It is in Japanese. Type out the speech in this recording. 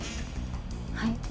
はい。